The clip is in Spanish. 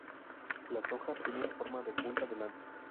Las hojas tienen forma de punta de lanza.